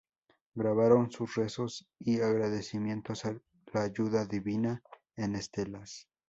Grabaron sus rezos y agradecimientos a la ayuda divina en estelas.